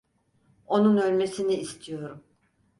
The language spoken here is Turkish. Onun ölmesini istiyorum.